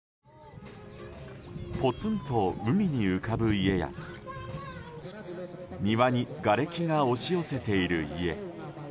ぽつんと海に浮かぶ家や庭にがれきが押し寄せている家。